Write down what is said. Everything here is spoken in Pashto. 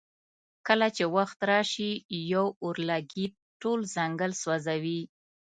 کله چې وخت راشي یو اورلګیت ټول ځنګل سوځوي.